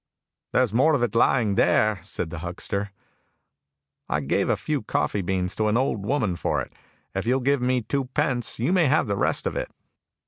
" There is more of it lying there," said the huckster. " I gave a few coffee beans to an old woman for it ; if you will give me two pence you may have the rest of it."